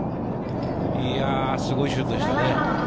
いや、すごいシュートでしたね。